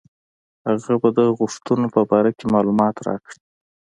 هغه به د غوښتنو په باره کې معلومات راکړي.